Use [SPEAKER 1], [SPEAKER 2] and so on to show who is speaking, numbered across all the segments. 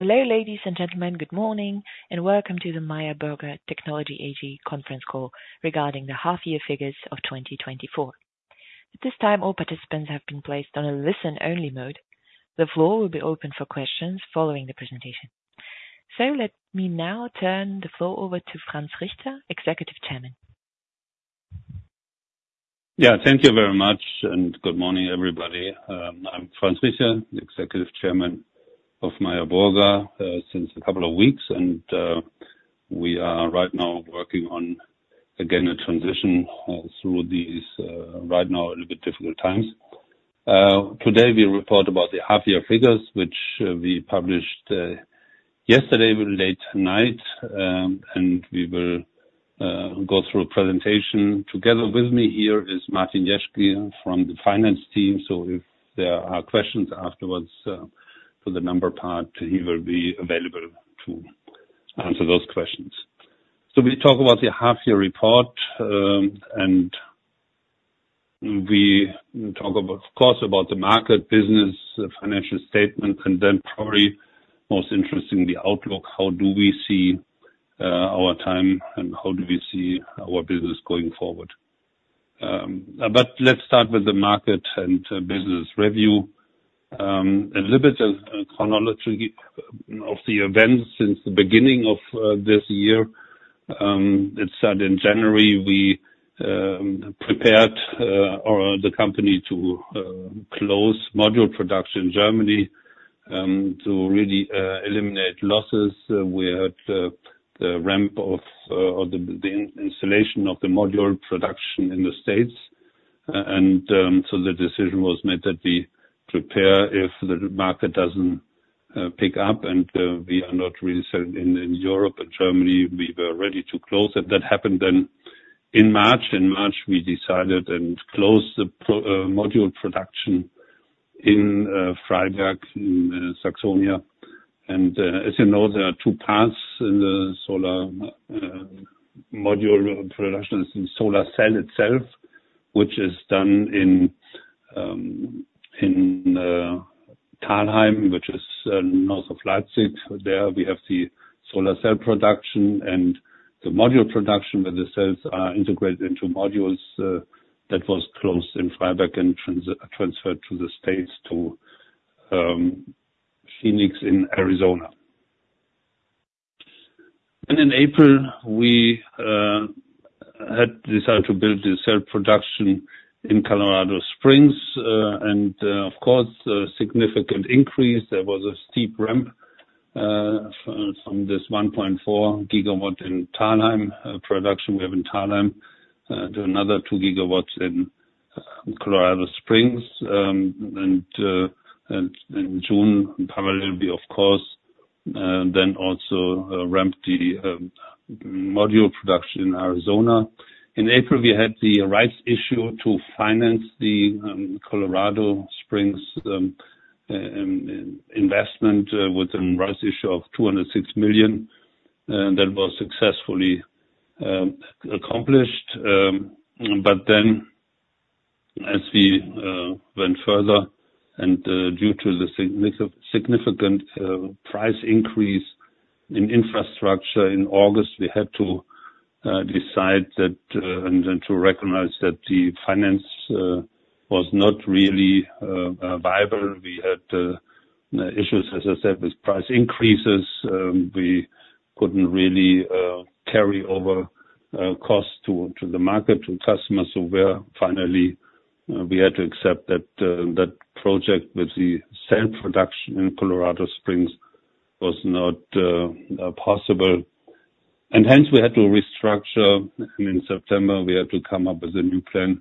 [SPEAKER 1] Hello, ladies and gentlemen. Good morning, and welcome to the Meyer Burger Technology AG conference call regarding the half-year figures of 2024. At this time, all participants have been placed on a listen-only mode. The floor will be open for questions following the presentation. So let me now turn the floor over to Franz Richter, Executive Chairman.
[SPEAKER 2] Yeah, thank you very much, and good morning, everybody. I'm Franz Richter, Executive Chairman of Meyer Burger since a couple of weeks, and we are right now working on, again, a transition through these right now a little bit difficult times. Today we report about the half-year figures, which we published yesterday late tonight, and we will go through a presentation. Together with me here is Martin Jeschke from the finance team, so if there are questions afterwards for the number part, he will be available to answer those questions. So we talk about the half-year report, and we talk about, of course, about the market, business, financial statement, and then probably most interesting, the outlook. How do we see our time, and how do we see our business going forward? But let's start with the market and business review. A little bit of chronology of the events since the beginning of this year. It started in January. We prepared the company to close module production in Germany to really eliminate losses. We had the ramp of the installation of the module production in the States, and so the decision was made that we prepare if the market doesn't pick up, and we are not really selling in Europe and Germany. We were ready to close, and that happened then in March. In March, we decided and closed the module production in Freiberg in Saxony. And as you know, there are two parts in the solar module production, the solar cell itself, which is done in Thalheim, which is north of Leipzig. There we have the solar cell production and the module production, where the cells are integrated into modules. That was closed in Freiberg and transferred to the States to Phoenix in Arizona. And in April, we had decided to build the cell production in Colorado Springs, and of course, a significant increase. There was a steep ramp from this 1.4 GW in Thalheim production we have in Thalheim to another 2 GW in Colorado Springs. And in June, probably it will be, of course, then also ramp the module production in Arizona. In April, we had the rights issue to finance the Colorado Springs investment with a rights issue of 206 million. That was successfully accomplished. But then as we went further, and due to the significant price increase in infrastructure in August, we had to decide that and to recognize that the finance was not really viable. We had issues, as I said, with price increases. We couldn't really carry over costs to the market, to customers. So finally, we had to accept that that project with the cell production in Colorado Springs was not possible. And hence, we had to restructure. And in September, we had to come up with a new plan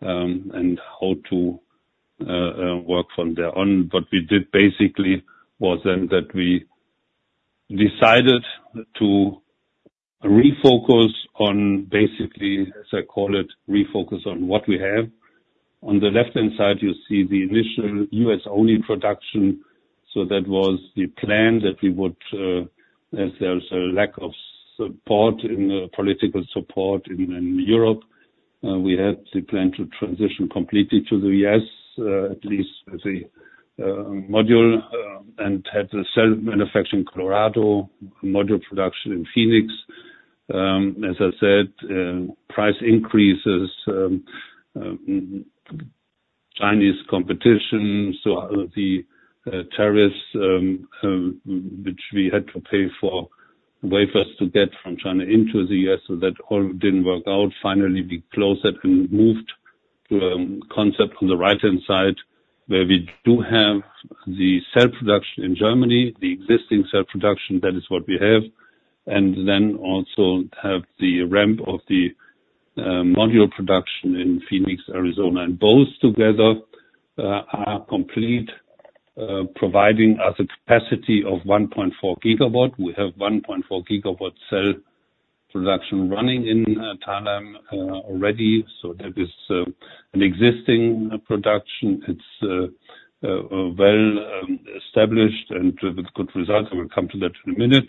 [SPEAKER 2] and how to work from there on. What we did basically was then that we decided to refocus on basically, as I call it, refocus on what we have. On the left-hand side, you see the initial U.S.-only production. So that was the plan that we would, as there's a lack of support in political support in Europe, we had the plan to transition completely to the U.S., at least with the module, and had the cell manufacturing in Colorado, module production in Phoenix. As I said, price increases, Chinese competition, so the tariffs which we had to pay for wafers to get from China into the U.S., so that all didn't work out. Finally, we closed that and moved to a concept on the right-hand side where we do have the cell production in Germany, the existing cell production, that is what we have, and then also have the ramp of the module production in Phoenix, Arizona, and both together are complete, providing us a capacity of 1.4 GW. We have 1.4 GW cell production running in Thalheim already, so that is an existing production. It's well established and with good results. I will come to that in a minute,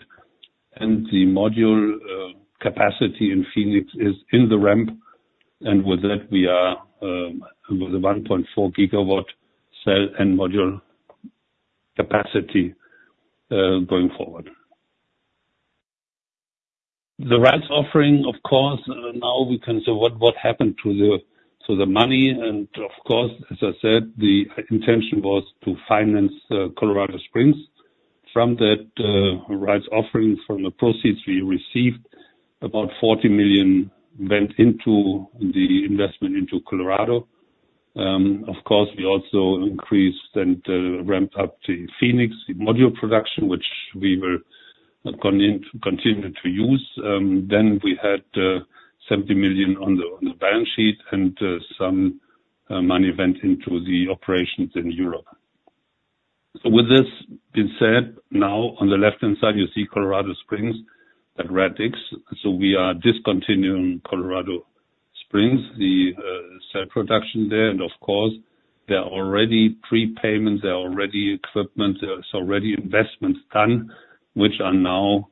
[SPEAKER 2] and the module capacity in Phoenix is in the ramp, and with that, we are with a 1.4 GW cell and module capacity going forward. The rights offering, of course, now we can say what happened to the money, and of course, as I said, the intention was to finance Colorado Springs. From that rights offering, from the proceeds we received, about 40 million went into the investment into Colorado. Of course, we also increased and ramped up the Phoenix module production, which we will continue to use, then we had 70 million on the balance sheet, and some money went into the operations in Europe, so with this being said, now on the left-hand side, you see Colorado Springs, that red X, so we are discontinuing Colorado Springs, the cell production there, and of course, there are already prepayments, there are already equipment, there's already investments done, which are now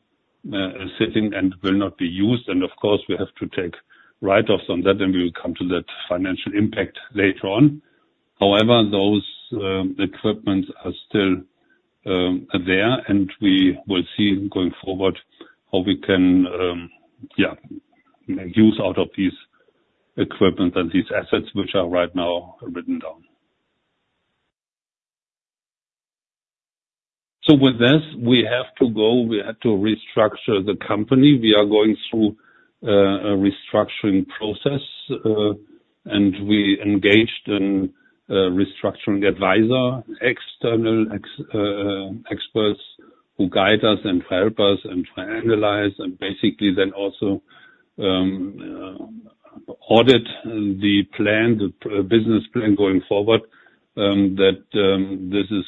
[SPEAKER 2] sitting and will not be used. Of course, we have to take write-offs on that, and we will come to that financial impact later on. However, those equipment are still there, and we will see going forward how we can, yeah, use out of these equipment and these assets, which are right now written down. So with this, we had to restructure the company. We are going through a restructuring process, and we engaged a restructuring advisor, external experts who guide us and help us and analyze, and basically then also audit the plan, the business plan going forward, that this is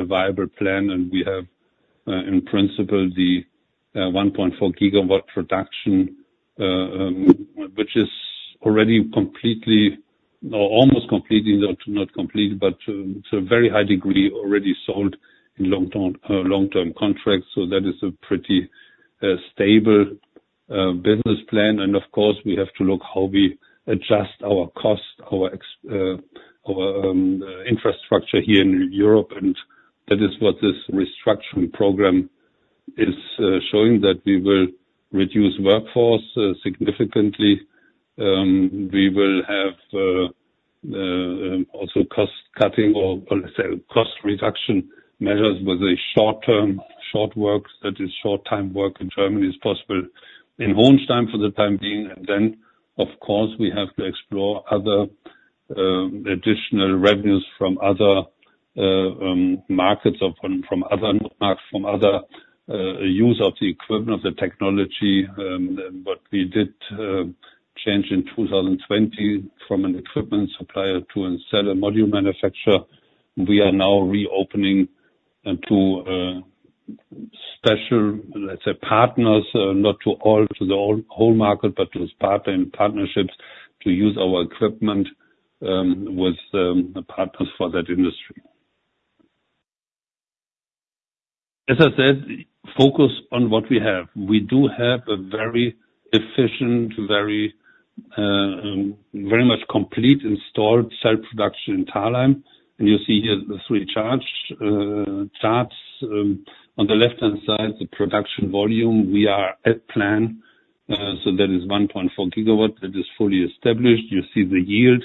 [SPEAKER 2] a viable plan. We have, in principle, the 1.4 GW production, which is already completely, or almost completely, not completely, but to a very high degree already sold in long-term contracts. That is a pretty stable business plan. Of course, we have to look how we adjust our cost, our infrastructure here in Europe. That is what this restructuring program is showing, that we will reduce workforce significantly. We will have also cost-cutting or, let's say, cost-reduction measures with a short-term, short work, that is, short-time work in Germany is possible in Hohenstein-Ernstthal for the time being. Of course, we have to explore other additional revenues from other markets or from other markets, from other use of the equipment, of the technology. What we did change in 2020 from an equipment supplier to a cell and module manufacturer, we are now reopening to special, let's say, partners, not to all, to the whole market, but to partner in partnerships to use our equipment with the partners for that industry. As I said, focus on what we have. We do have a very efficient, very much complete installed cell production in Thalheim, and you see here the three charts. On the left-hand side, the production volume, we are at plan, so that is 1.4 GW that is fully established. You see the yield.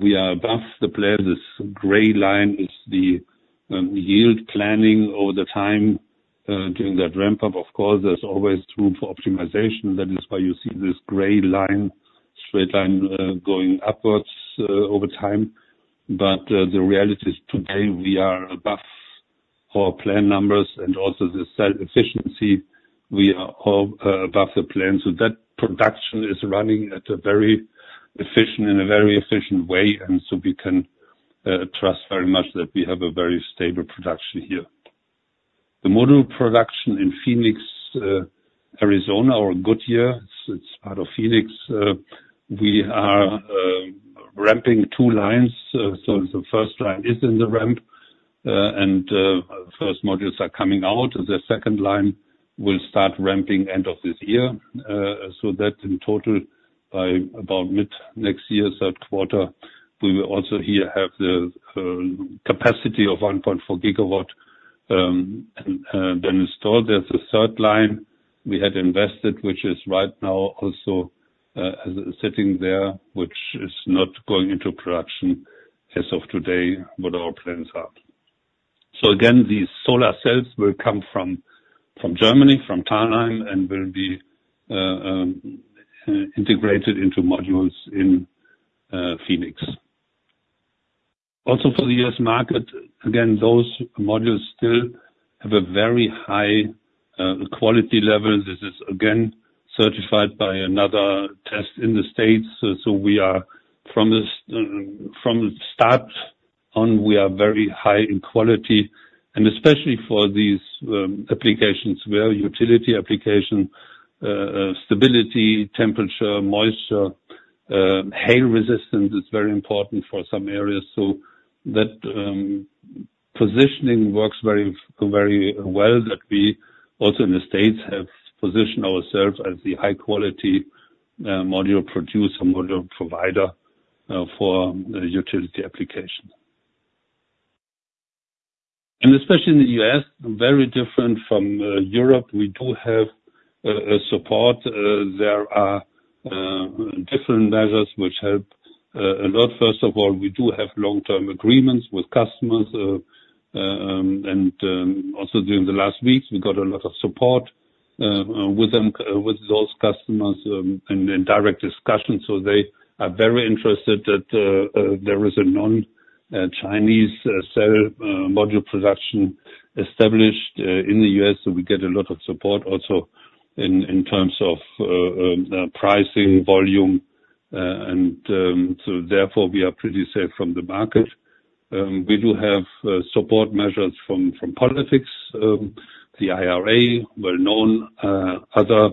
[SPEAKER 2] We are above the plan. This gray line is the yield planning over the time during that ramp-up. Of course, there's always room for optimization. That is why you see this gray line, straight line going upwards over time, but the reality is today we are above our plan numbers, and also the cell efficiency, we are above the plan, so that production is running at a very efficient, in a very efficient way, and so we can trust very much that we have a very stable production here. The module production in Phoenix, Arizona, or Goodyear, it's part of Phoenix. We are ramping two lines. So the first line is in the ramp, and first modules are coming out. The second line will start ramping end of this year. So that in total, by about mid next year, third quarter, we will also here have the capacity of 1.4 GW then installed. There's a third line we had invested, which is right now also sitting there, which is not going into production as of today with our plans are. So again, these solar cells will come from Germany, from Thalheim, and will be integrated into modules in Phoenix. Also for the U.S. market, again, those modules still have a very high quality level. This is again certified by another test in the States. So we are from the start on, we are very high in quality. And especially for these applications, where utility application, stability, temperature, moisture, hail resistance is very important for some areas. So that positioning works very well that we also in the States have positioned ourselves as the high-quality module producer, module provider for utility application. And especially in the U.S., very different from Europe, we do have support. There are different measures which help a lot. First of all, we do have long-term agreements with customers. And also during the last weeks, we got a lot of support with those customers and direct discussions. So they are very interested that there is a non-Chinese cell module production established in the U.S. So we get a lot of support also in terms of pricing, volume. And so therefore, we are pretty safe from the market. We do have support measures from politics, the IRA, well-known other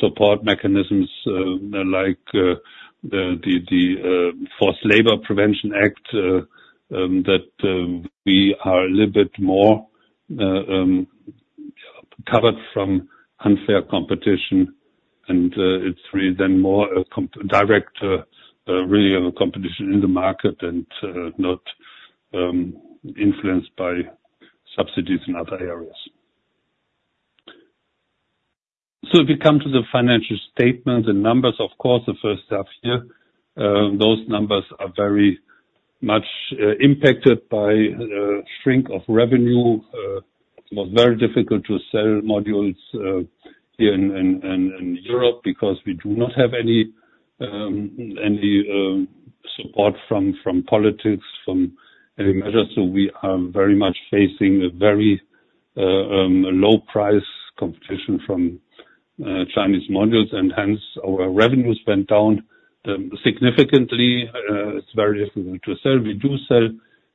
[SPEAKER 2] support mechanisms like the Forced Labor Prevention Act that we are a little bit more covered from unfair competition. And it's really then more direct, really competition in the market and not influenced by subsidies in other areas. So if we come to the financial statement, the numbers, of course, the first half here, those numbers are very much impacted by shrink of revenue. It was very difficult to sell modules here in Europe because we do not have any support from politics, from any measures. So we are very much facing a very low price competition from Chinese modules. And hence, our revenues went down significantly. It's very difficult to sell. We do sell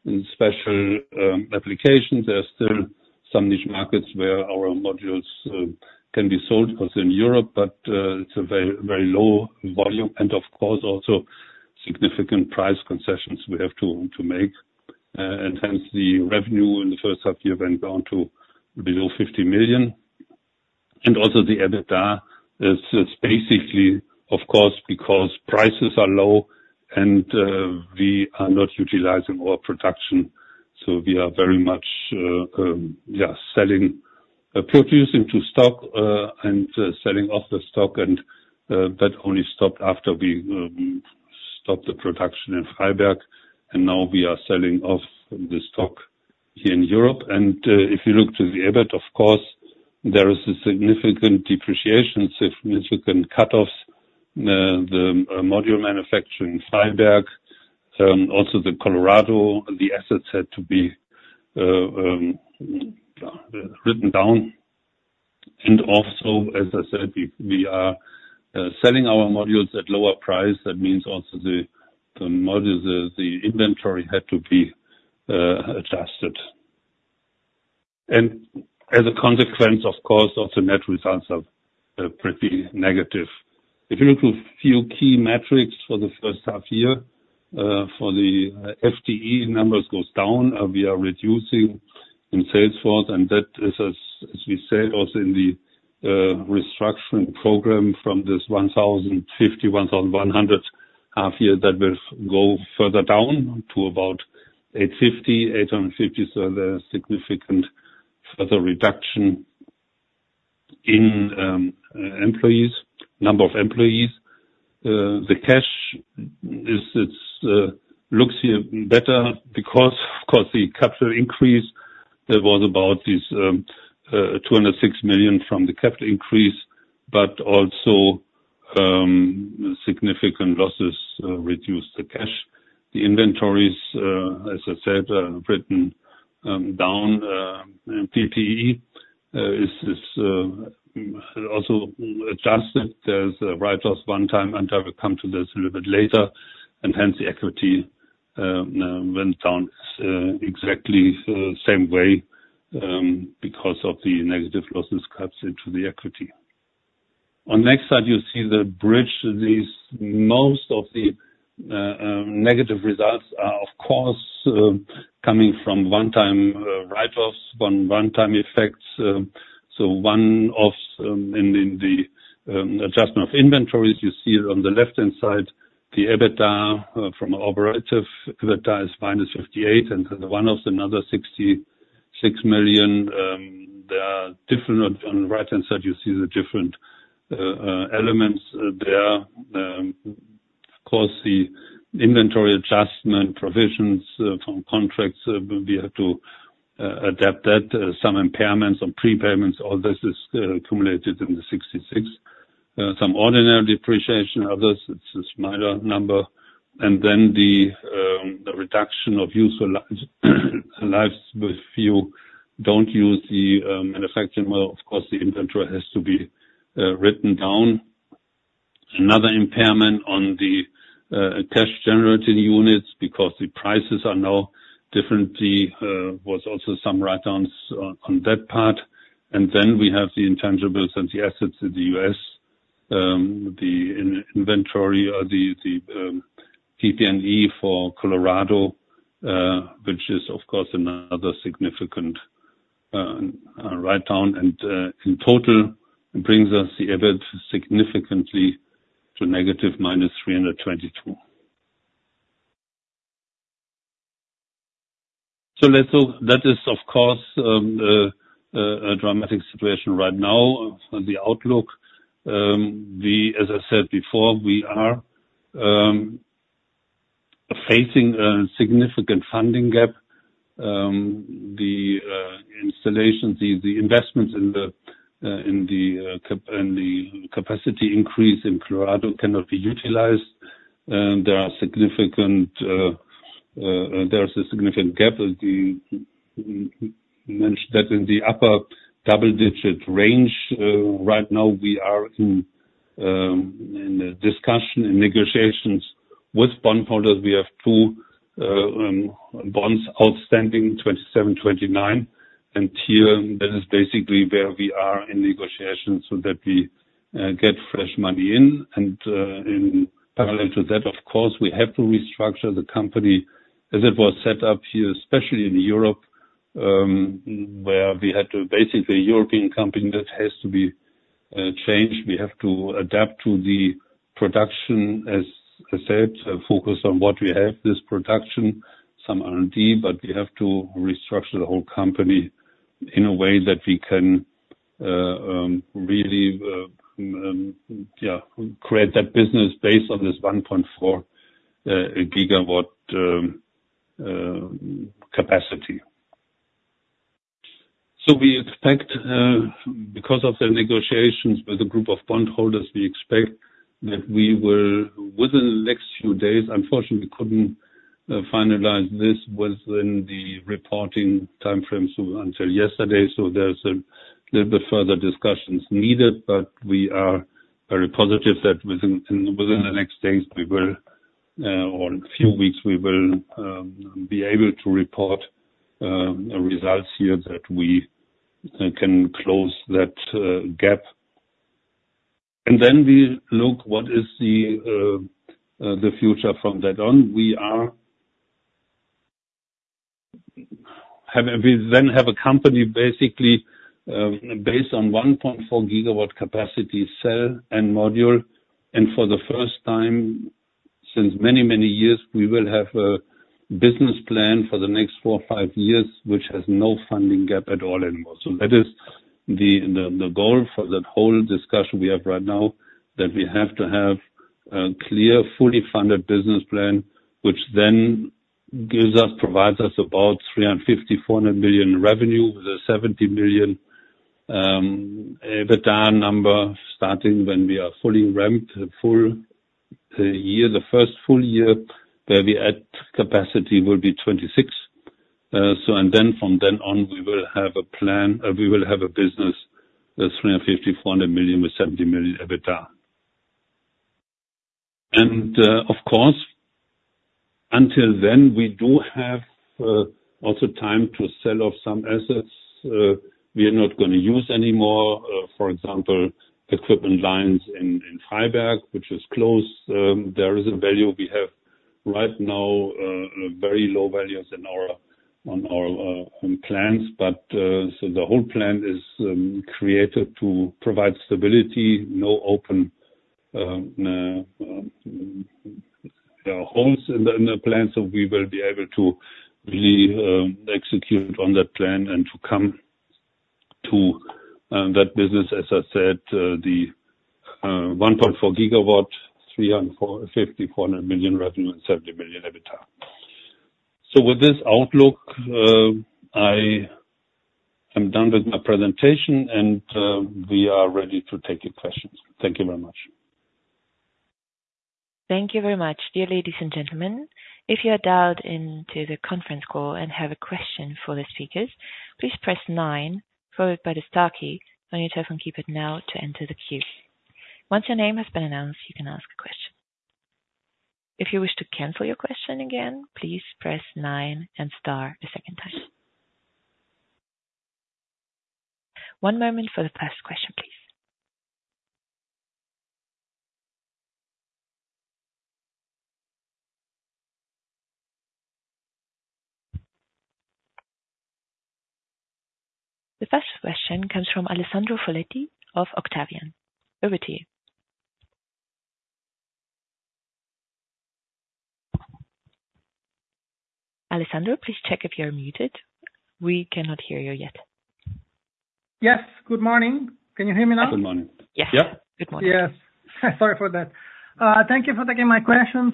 [SPEAKER 2] in special applications. There are still some niche markets where our modules can be sold in Europe, but it's a very low volume. And of course, also significant price concessions we have to make. Hence, the revenue in the first half year went down to below 50 million. And also the EBITDA is basically, of course, because prices are low and we are not utilizing our production. So we are very much, yeah, selling product into stock and selling off the stock. And that only stopped after we stopped the production in Freiberg. And now we are selling off the stock here in Europe. And if you look to the EBIT, of course, there is a significant depreciation, significant write-offs. The module manufacturing in Freiberg, also the Colorado, the assets had to be written down. And also, as I said, we are selling our modules at lower price. That means also the modules, the inventory had to be adjusted. And as a consequence, of course, also net results are pretty negative. If you look to a few key metrics for the first half year, the FTE numbers go down. We are reducing in sales force. And that is, as we said, also in the restructuring program from this half year, 1,050-1,100, that will go further down to about 850, 850. So there's significant further reduction in employees, number of employees. The cash looks here better because, of course, the capital increase, there was about 206 million from the capital increase, but also significant losses reduced the cash. The inventories, as I said, are written down. PPE is also adjusted. There's a write-off one time until we come to this a little bit later. And hence, the equity went down exactly the same way because of the negative losses cuts into the equity. On the next slide, you see the bridge. Most of the negative results are, of course, coming from one-time write-offs, one-time effects. So one-offs in the adjustment of inventories, you see it on the left-hand side. The EBITDA from operative EBITDA is -58 million, and the one-offs, another 66 million. There are different on the right-hand side, you see the different elements there. Of course, the inventory adjustment provisions from contracts, we have to adapt that. Some impairments on prepayments, all this is accumulated in the 66 million. Some ordinary depreciation, others, it is a smaller number. And then the reduction of useful lives, if you do not use the manufacturing model, of course, the inventory has to be written down. Another impairment on the cash-generating units because the prices are now differently. There was also some write-downs on that part. And then we have the intangibles and the assets in the U.S. The inventory, the PP&E for Colorado, which is, of course, another significant write-down, and in total, it brings us the EBIT significantly to -322, so that is, of course, a dramatic situation right now for the outlook. As I said before, we are facing a significant funding gap. The installation, the investments in the capacity increase in Colorado cannot be utilized. There are significant gaps. That in the upper double-digit range. Right now, we are in discussion and negotiations with bondholders. We have two bonds outstanding, 27, 29, and here, that is basically where we are in negotiations so that we get fresh money in, and in parallel to that, of course, we have to restructure the company as it was set up here, especially in Europe, where we had to basically a European company that has to be changed. We have to adapt to the production, as I said, focus on what we have, this production, some R&D, but we have to restructure the whole company in a way that we can really, yeah, create that business based on this 1.4 GW capacity. So we expect, because of the negotiations with a group of bondholders, we expect that we will, within the next few days, unfortunately, we couldn't finalize this within the reporting timeframe until yesterday. So there's a little bit further discussions needed, but we are very positive that within the next days, or a few weeks, we will be able to report results here that we can close that gap. And then we look what is the future from that on. We then have a company basically based on 1.4 GW capacity cell and module. For the first time since many, many years, we will have a business plan for the next four, five years, which has no funding gap at all anymore. That is the goal for the whole discussion we have right now, that we have to have a clear, fully funded business plan, which then gives us, provides us about 350 million-400 million revenue with a 70 million EBITDA number starting when we are fully ramped, full year, the first full year where we add capacity will be 2026. And then from then on, we will have a plan, we will have a business of 350 million-400 million with 70 million EBITDA. Of course, until then, we do have also time to sell off some assets we are not going to use anymore. For example, equipment lines in Freiberg, which is closed. There is a value we have right now, very low values on our plans. But so the whole plan is created to provide stability, no open holes in the plan. So we will be able to really execute on that plan and to come to that business, as I said, the 1.4 GW, 350 million-400 million revenue, and 70 million EBITDA. So with this outlook, I am done with my presentation, and we are ready to take your questions. Thank you very much.
[SPEAKER 1] Thank you very much, dear ladies and gentlemen. If you are dialed into the conference call and have a question for the speakers, please press nine, followed by the star key on your telephone keypad now to enter the queue. Once your name has been announced, you can ask a question. If you wish to cancel your question again, please press nine and star a second time. One moment for the first question, please. The first question comes from Alessandro Foletti of Octavian. Over to you. Alessandro, please check if you're muted. We cannot hear you yet.
[SPEAKER 3] Yes. Good morning. Can you hear me now?
[SPEAKER 2] Good morning. Yeah.
[SPEAKER 1] Yes.
[SPEAKER 3] Yep. Good morning. Yes. Sorry for that. Thank you for taking my questions.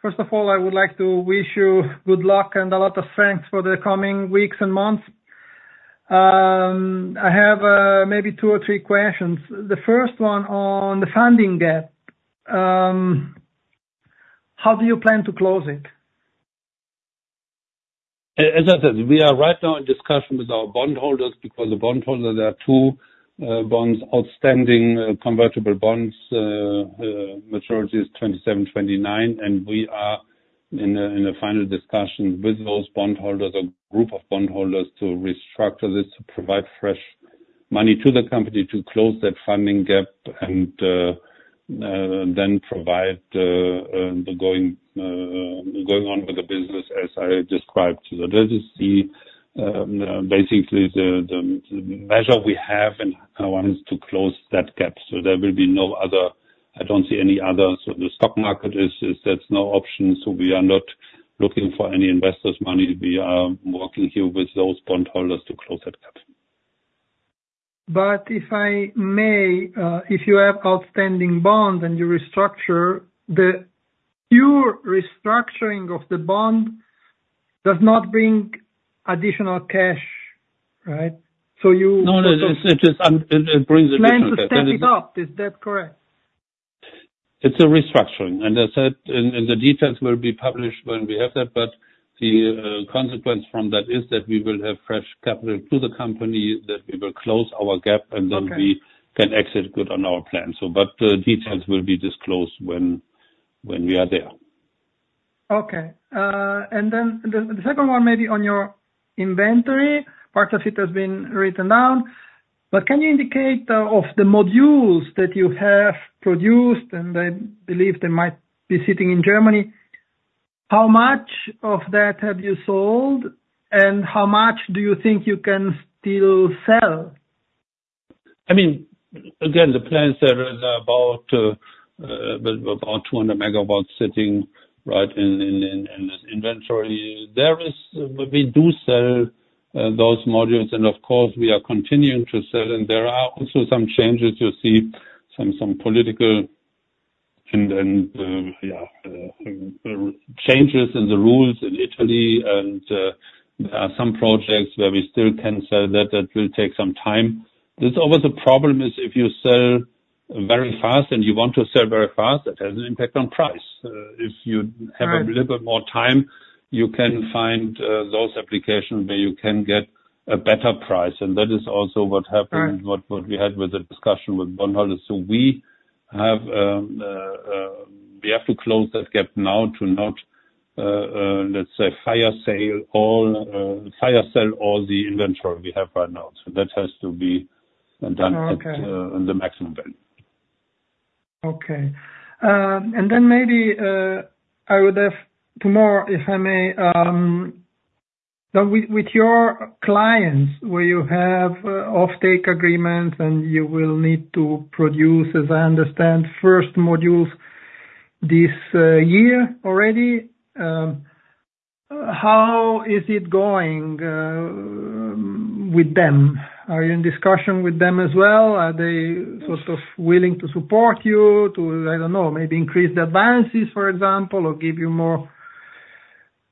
[SPEAKER 3] First of all, I would like to wish you good luck and a lot of strength for the coming weeks and months. I have maybe two or three questions. The first one on the funding gap, how do you plan to close it?
[SPEAKER 2] As I said, we are right now in discussion with our bondholders because the bondholders, there are two bonds, outstanding convertible bonds, maturity is 2027, 2029, and we are in a final discussion with those bondholders, a group of bondholders, to restructure this to provide fresh money to the company to close that funding gap and then provide the going on with the business as I described, so that is basically the measure we have, and I want us to close that gap, so there will be no other. I don't see any other, so the stock market says there's no option, so we are not looking for any investors' money. We are working here with those bondholders to close that gap.
[SPEAKER 3] If I may, if you have outstanding bonds and you restructure, the pure restructuring of the bond does not bring additional cash, right? So you.
[SPEAKER 2] No, no, it brings additional cash.
[SPEAKER 3] Plans to step it up. Is that correct?
[SPEAKER 2] It's a restructuring. And as I said, the details will be published when we have that. But the consequence from that is that we will have fresh capital to the company, that we will close our gap, and then we can execute good on our plan. But the details will be disclosed when we are there.
[SPEAKER 3] Okay. And then the second one maybe on your inventory, part of it has been written down. But can you indicate of the modules that you have produced, and I believe they might be sitting in Germany, how much of that have you sold, and how much do you think you can still sell?
[SPEAKER 2] I mean, again, the plans there are about 200 megawatts sitting right in this inventory. We do sell those modules, and of course, we are continuing to sell, and there are also some changes. You see some political changes in the rules in Italy, and there are some projects where we still can sell that. That will take some time. There's always a problem if you sell very fast and you want to sell very fast, that has an impact on price. If you have a little bit more time, you can find those applications where you can get a better price, and that is also what happened, what we had with the discussion with bondholders, so we have to close that gap now to not, let's say, fire sale all the inventory we have right now, so that has to be done at the maximum value.
[SPEAKER 3] Okay. And then maybe I would have tomorrow, if I may, with your clients where you have off-take agreements and you will need to produce, as I understand, first modules this year already? How is it going with them? Are you in discussion with them as well? Are they sort of willing to support you to, I don't know, maybe increase their advances, for example, or give you more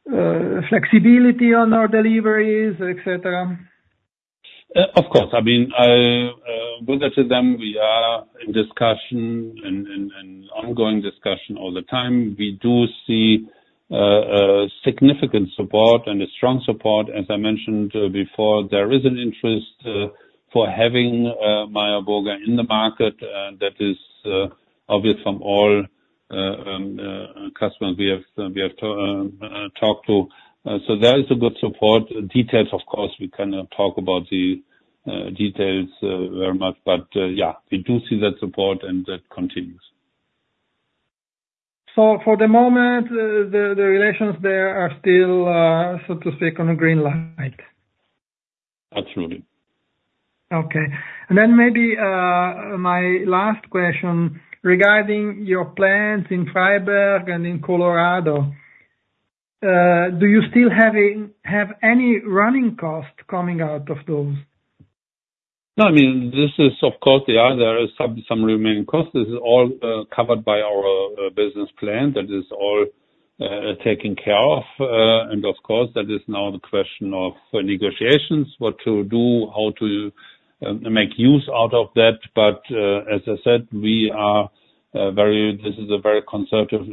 [SPEAKER 3] flexibility on our deliveries, etc.?
[SPEAKER 2] Of course. I mean, with them we are in discussion and ongoing discussion all the time. We do see significant support and strong support. As I mentioned before, there is an interest for having Meyer Burger in the market. That is obvious from all customers we have talked to. So there is a good support. Details, of course, we cannot talk about the details very much. But yeah, we do see that support and that continues.
[SPEAKER 3] So for the moment, the relations there are still, so to speak, on a green light?
[SPEAKER 2] Absolutely.
[SPEAKER 3] Okay. And then maybe my last question regarding your plans in Freiberg and in Colorado. Do you still have any running costs coming out of those?
[SPEAKER 2] No. I mean, this is, of course, there are some remaining costs. This is all covered by our business plan. That is all taken care of. And of course, that is now the question of negotiations, what to do, how to make use out of that. But as I said, this is a very conservative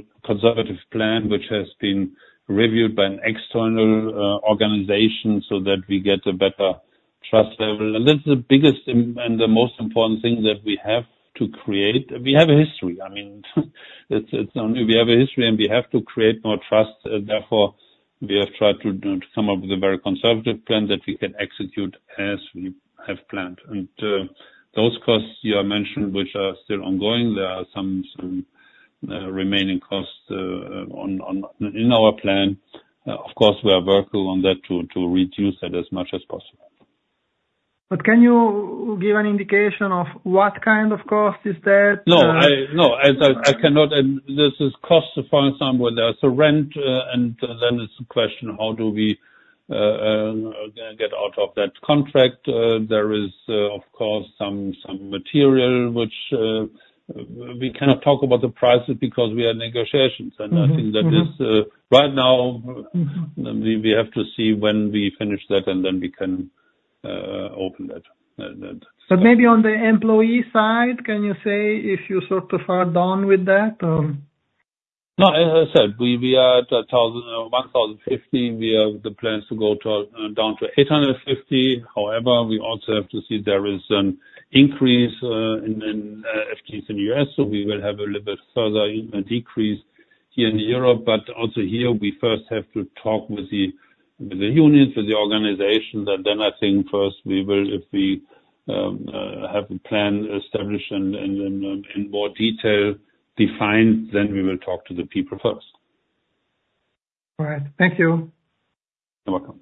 [SPEAKER 2] plan, which has been reviewed by an external organization so that we get a better trust level. And this is the biggest and the most important thing that we have to create. We have a history. I mean, we have a history and we have to create more trust. Therefore, we have tried to come up with a very conservative plan that we can execute as we have planned. And those costs you have mentioned, which are still ongoing, there are some remaining costs in our plan. Of course, we are working on that to reduce that as much as possible.
[SPEAKER 3] Can you give an indication of what kind of cost is that?
[SPEAKER 2] No. No. I cannot. This is cost, for example, there's a rent, and then it's a question how do we get out of that contract. There is, of course, some material, which we cannot talk about the prices because we are in negotiations, and I think that is right now. We have to see when we finish that, and then we can open that.
[SPEAKER 3] But, maybe on the employee side, can you say if you're sort of far done with that or?
[SPEAKER 2] No. As I said, we are at 1,050. We have the plans to go down to 850. However, we also have to see, there is an increase in FTEs in the U.S., so we will have a little bit further decrease here in Europe. But also here, we first have to talk with the unions, with the organizations, and then I think first we will, if we have a plan established and in more detail defined, then we will talk to the people first.
[SPEAKER 3] All right. Thank you.
[SPEAKER 2] You're welcome.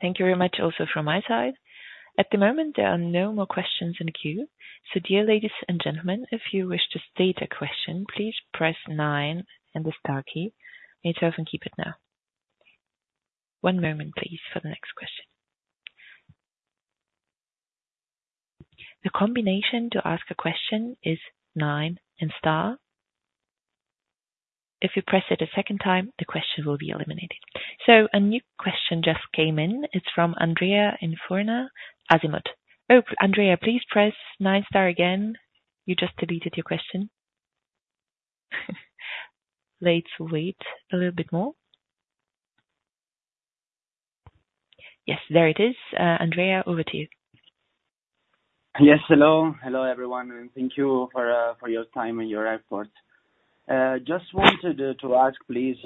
[SPEAKER 1] Thank you very much also from my side. At the moment, there are no more questions in the queue. So dear ladies and gentlemen, if you wish to state a question, please press nine and the star key. Muters can keep it now. One moment, please, for the next question. The combination to ask a question is nine and star. If you press it a second time, the question will be eliminated. So a new question just came in. It's from Andrea Infurna, Azimut. Oh, Andrea, please press nine star again. You just deleted your question. Let's wait a little bit more. Yes, there it is. Andrea, over to you.
[SPEAKER 4] Yes. Hello. Hello, everyone. And thank you for your time and your efforts. Just wanted to ask, please,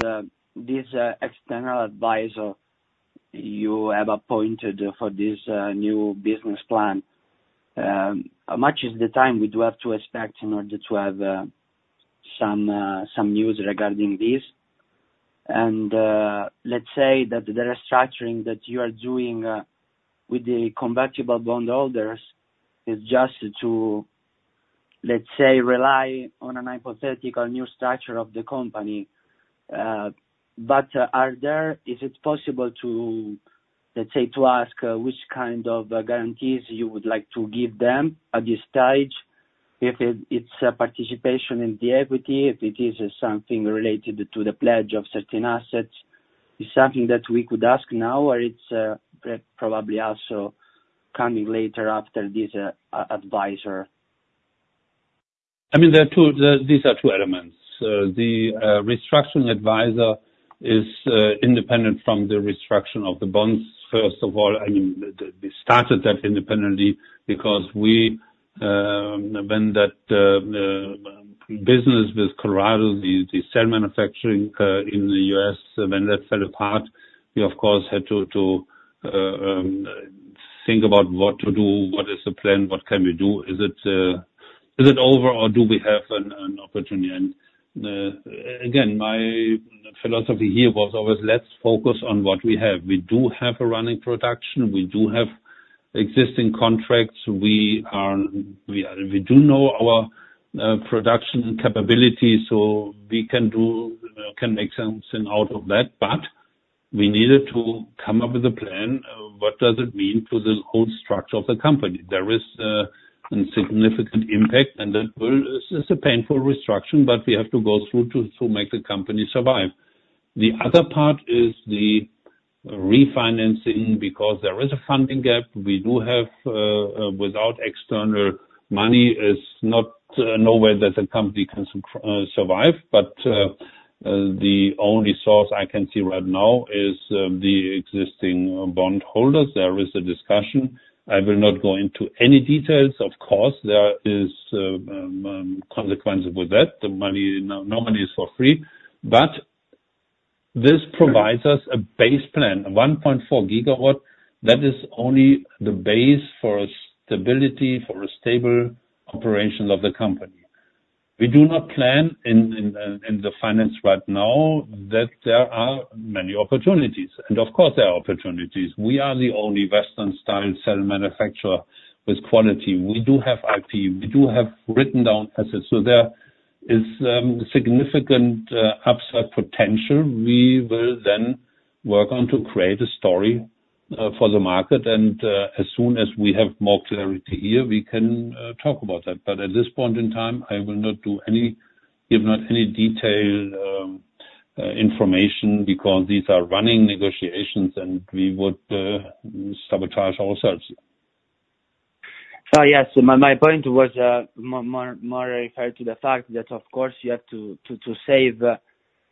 [SPEAKER 4] this external advisor you have appointed for this new business plan, how much is the time we do have to expect in order to have some news regarding this? And let's say that the restructuring that you are doing with the convertible bondholders is just to, let's say, rely on a hypothetical new structure of the company. But is it possible to, let's say, ask which kind of guarantees you would like to give them at this stage? If it's participation in the equity, if it is something related to the pledge of certain assets, is it something that we could ask now, or it's probably also coming later after this advisor?
[SPEAKER 2] I mean, these are two elements. The restructuring advisor is independent from the restructuring of the bonds, first of all. I mean, we started that independently because when that business with Colorado, the cell manufacturing in the U.S., when that fell apart, we, of course, had to think about what to do, what is the plan, what can we do? Is it over, or do we have an opportunity? And again, my philosophy here was always let's focus on what we have. We do have a running production. We do have existing contracts. We do know our production capabilities, so we can make something out of that. But we needed to come up with a plan. What does it mean for the whole structure of the company? There is a significant impact, and it's a painful restructuring, but we have to go through to make the company survive. The other part is the refinancing because there is a funding gap. We do have without external money, it's not nowhere that the company can survive. But the only source I can see right now is the existing bondholders. There is a discussion. I will not go into any details. Of course, there are consequences with that. The money normally is for free. But this provides us a base plan, 1.4 GW. That is only the base for stability, for a stable operation of the company. We do not plan in the finance right now that there are many opportunities. And of course, there are opportunities. We are the only Western-style cell manufacturer with quality. We do have IP. We do have written down assets. So there is significant upside potential. We will then work on to create a story for the market. As soon as we have more clarity here, we can talk about that. At this point in time, I will not give any detailed information because these are running negotiations, and we would sabotage ourselves.
[SPEAKER 4] So yes, my point was more referred to the fact that, of course, you have to save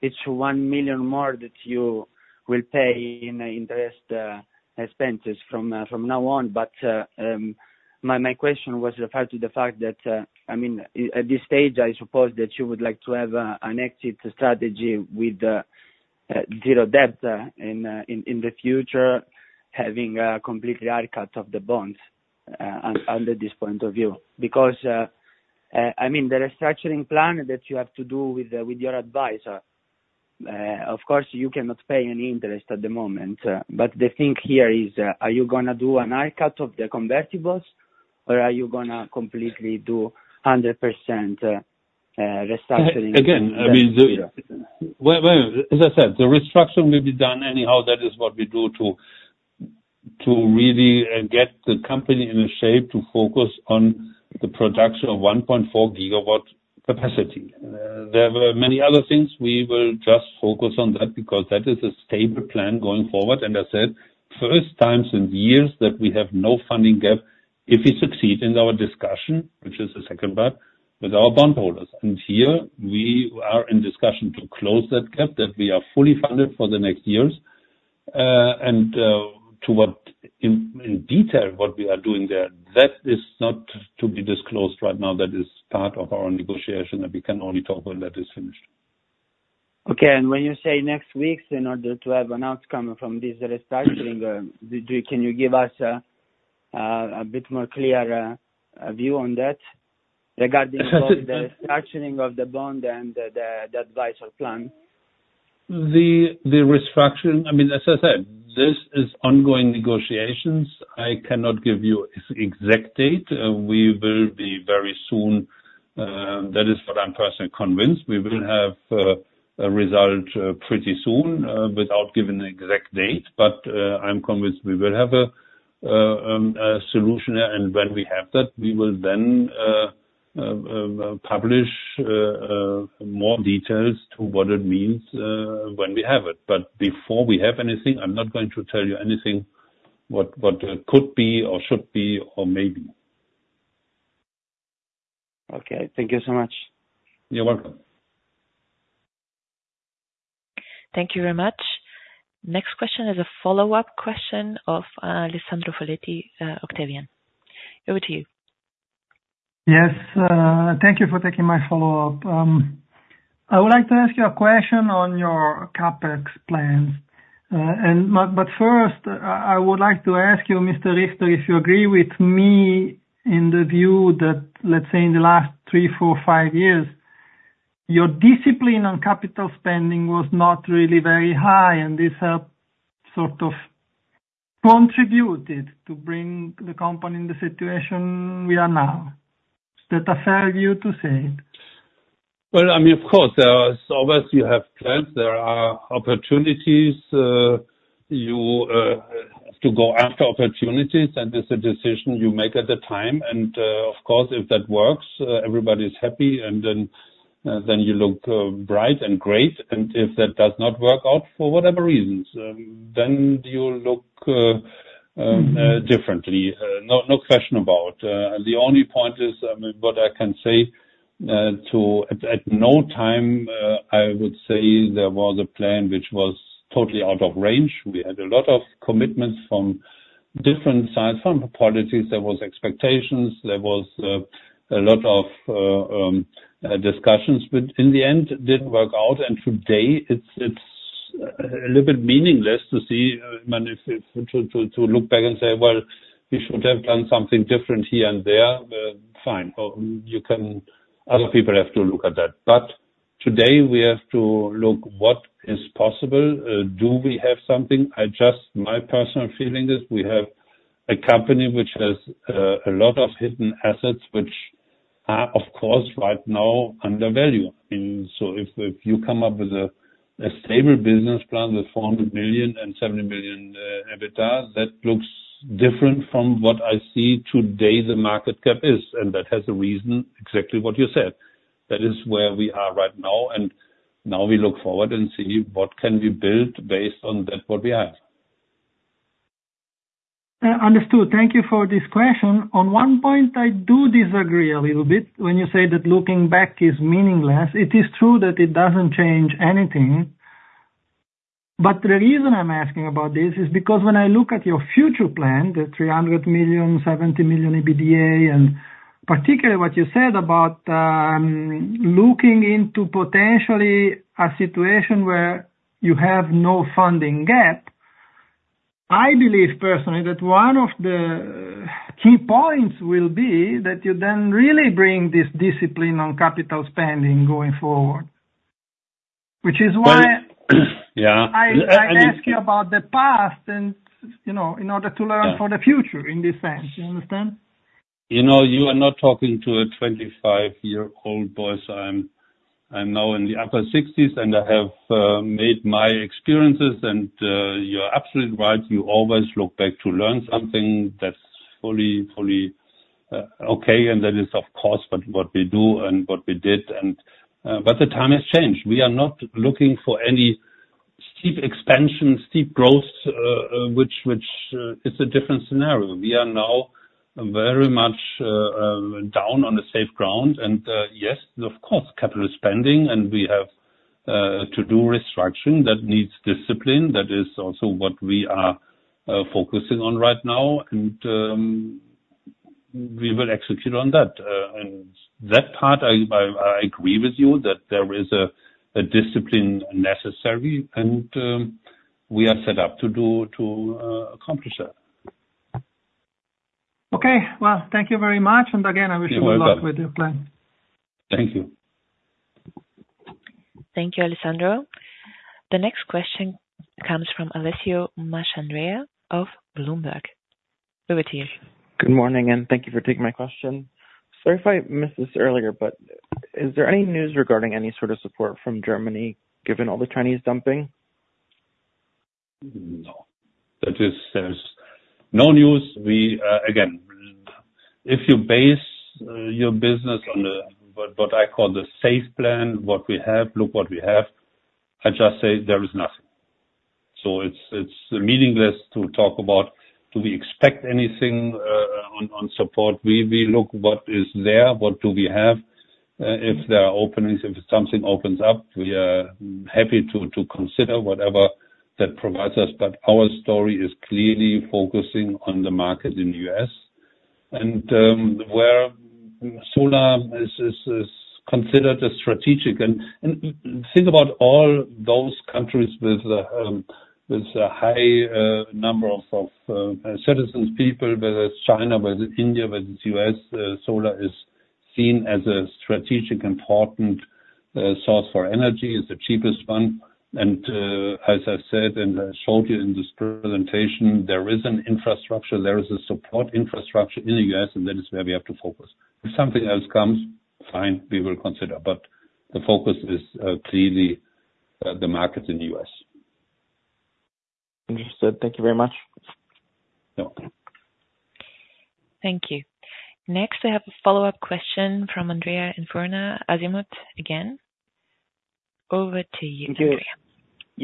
[SPEAKER 4] each 1 million more that you will pay in the rest expenses from now on. But my question was referred to the fact that, I mean, at this stage, I suppose that you would like to have an exit strategy with zero debt in the future, having a complete haircut of the bonds under this point of view. Because, I mean, the restructuring plan that you have to do with your advisor, of course, you cannot pay any interest at the moment. But the thing here is, are you going to do a haircut of the convertibles, or are you going to completely do 100% restructuring?
[SPEAKER 2] Again, I mean, as I said, the restructuring will be done anyhow. That is what we do to really get the company in a shape to focus on the production of 1.4 GW capacity. There are many other things. We will just focus on that because that is a stable plan going forward. And as I said, first time since years that we have no funding gap if we succeed in our discussion, which is the second part, with our bondholders. And here, we are in discussion to close that gap, that we are fully funded for the next years. And in detail, what we are doing there, that is not to be disclosed right now. That is part of our negotiation, and we can only talk when that is finished.
[SPEAKER 4] Okay. And when you say next weeks, in order to have an outcome from this restructuring, can you give us a bit more clear view on that regarding the restructuring of the bond and the advisor plan?
[SPEAKER 2] The restructuring, I mean, as I said, this is ongoing negotiations. I cannot give you an exact date. We will be very soon. That is what I'm personally convinced. We will have a result pretty soon without giving an exact date. But I'm convinced we will have a solution. And when we have that, we will then publish more details to what it means when we have it. But before we have anything, I'm not going to tell you anything what could be or should be or may be.
[SPEAKER 4] Okay. Thank you so much.
[SPEAKER 2] You're welcome.
[SPEAKER 1] Thank you very much. Next question is a follow-up question of Alessandro Foletti Octavian. Over to you.
[SPEAKER 3] Yes. Thank you for taking my follow-up. I would like to ask you a question on your CapEx plans. But first, I would like to ask you, Mr. Richter, if you agree with me in the view that, let's say, in the last three, four, five years, your discipline on capital spending was not really very high, and this sort of contributed to bring the company in the situation we are now. Is that a fair view to say?
[SPEAKER 2] I mean, of course, obviously, you have plans. There are opportunities. You have to go after opportunities, and it's a decision you make at the time. Of course, if that works, everybody's happy, and then you look bright and great. If that does not work out for whatever reasons, then you look differently. No question about it. The only point is, I mean, what I can say, at no time, I would say there was a plan which was totally out of range. We had a lot of commitments from different sides, from policies. There were expectations. There were a lot of discussions. In the end, it didn't work out. Today, it's a little bit meaningless to see if to look back and say, "Well, we should have done something different here and there." Fine. Other people have to look at that. But today, we have to look at what is possible. Do we have something? My personal feeling is we have a company which has a lot of hidden assets, which are, of course, right now undervalued. So if you come up with a stable business plan with 400 million and 70 million EBITDA, that looks different from what I see today, the market cap is. And that has a reason, exactly what you said. That is where we are right now. And now we look forward and see what can we build based on that, what we have.
[SPEAKER 3] Understood. Thank you for this question. On one point, I do disagree a little bit when you say that looking back is meaningless. It is true that it doesn't change anything. But the reason I'm asking about this is because when I look at your future plan, the 300 million, 70 million EBITDA, and particularly what you said about looking into potentially a situation where you have no funding gap, I believe personally that one of the key points will be that you then really bring this discipline on capital spending going forward, which is why I ask you about the past in order to learn for the future in this sense. Do you understand?
[SPEAKER 2] You are not talking to a 25-year-old boy. I'm now in the upper 60s, and I have made my experiences. And you're absolutely right. You always look back to learn something. That's fully okay. And that is, of course, what we do and what we did. But the time has changed. We are not looking for any steep expansion, steep growth, which is a different scenario. We are now very much down on the safe ground. And yes, of course, capital spending, and we have to do restructuring that needs discipline. That is also what we are focusing on right now. And we will execute on that. And that part, I agree with you that there is a discipline necessary, and we are set up to accomplish that.
[SPEAKER 3] Okay. Well, thank you very much. And again, I wish you good luck with your plan.
[SPEAKER 2] Thank you.
[SPEAKER 1] Thank you, Alessandro. The next question comes from Alessio Macaluso of Bloomberg. Over to you.
[SPEAKER 5] Good morning, and thank you for taking my question. Sorry if I missed this earlier, but is there any news regarding any sort of support from Germany given all the Chinese dumping?
[SPEAKER 2] No. That is no news. Again, if you base your business on what I call the safe plan, what we have, look what we have, I just say there is nothing. So it's meaningless to talk about, do we expect anything on support? We look at what is there, what do we have. If there are openings, if something opens up, we are happy to consider whatever that provides us. But our story is clearly focusing on the market in the U.S. and where solar is considered strategic. And think about all those countries with a high number of citizens, people, whether it's China, whether it's India, whether it's the U.S. Solar is seen as a strategic, important source for energy. It's the cheapest one. And as I said, and I showed you in this presentation, there is an infrastructure. There is a support infrastructure in the U.S., and that is where we have to focus. If something else comes, fine, we will consider. But the focus is clearly the market in the U.S.
[SPEAKER 5] Understood. Thank you very much.
[SPEAKER 1] Thank you. Next, we have a follow-up question from Andrea Infurna, Azimut, again. Over to you, Andrea.
[SPEAKER 4] Thank